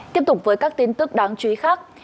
tiếp tục với các tin tức đáng chú ý khác